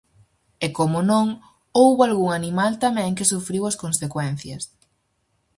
E como non, houbo algún animal tamén que sufriu as consecuencias.